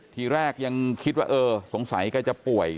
ทีแรกยังคิดว่าเออสงสัยแกจะป่วย